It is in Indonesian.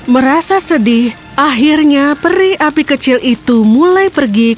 merasa sedih akhirnya peri api kecil itu mulai pergi